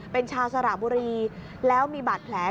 เป็นชาวสระบุรีแล้วมีบาดแผล